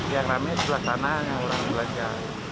yang ramai sebelah sana yang orang belanja